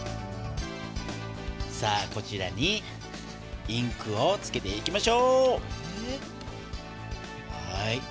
こちらにインクをつけていきましょう。